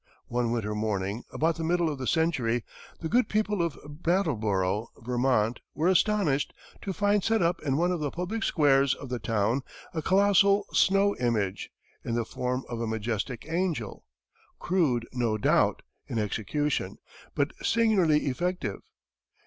One winter morning, about the middle of the century, the good people of Brattleboro, Vermont, were astonished to find set up in one of the public squares of the town a colossal snow image, in the form of a majestic angel crude, no doubt, in execution, but singularly effective.